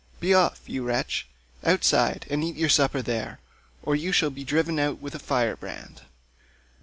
Be off, you wretch, outside, and eat your supper there, or you shall be driven out with a firebrand."